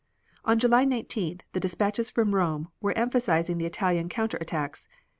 On July 19th the dispatches from Rome were emphasizing the Italian counter attacks.